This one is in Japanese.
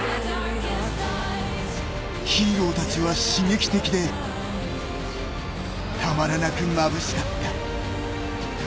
ヒーローたちは刺激的でたまらなくまぶしかった。